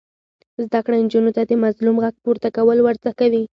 زده کړه نجونو ته د مظلوم غږ پورته کول ور زده کوي.